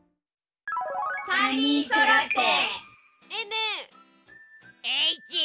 ３人そろって。